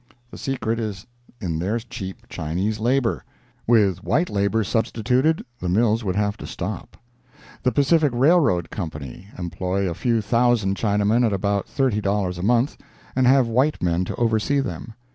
The secret is in their cheap Chinese labor. With white labor substituted the mills would have to stop. The Pacific Railroad Company employ a few thousand Chinamen at about $30 a month, and have white men to oversee them.